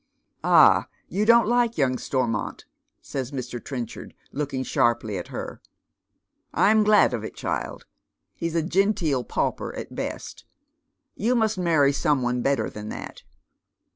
" Ah, you don't like young Stonnont ?" says Mr. Trenchard, looking sharply at her. " I'm glad of it, child. He's a gectoel pauper at best. You must marry some one better than that."